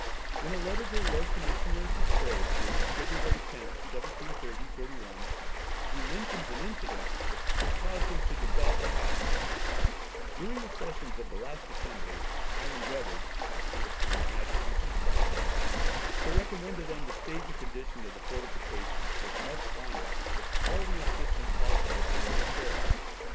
In a letter to the Lord Commissioners of Trade, dated February 10th, 1730/1, he mentions an incident which caused him to dissolve the House: "During the sessions of the last Assembly I endeavoured (pursuant to his Majesty's instructions) to recommend to them the state and condition of the Fortifications, which much wanted all the assistance possible for their repair